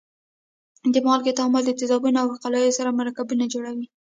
د مالګې تعامل د تیزابو او القلیو سره مرکبونه جوړوي.